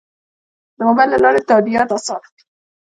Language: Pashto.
د موبایل له لارې تادیات اسانه دي؟